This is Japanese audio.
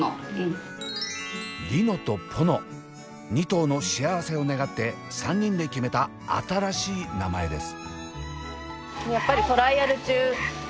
２頭の幸せを願って３人で決めた新しい名前です。